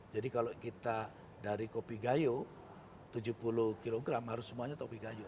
jadi kalau kita dari kopi gayo tujuh puluh kg harus semuanya kopi gayo